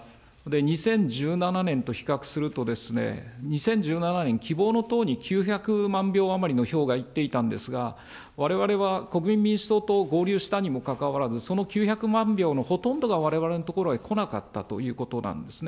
２０１７年と比較するとですね、２０１７年、希望の党に９００万票余りの票が行っていたんですが、われわれは国民民主党と合流したにもかかわらず、その９００万票のほとんどがわれわれの所へ来なかったということなんですね。